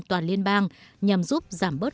toàn liên bang nhằm giúp giảm bớt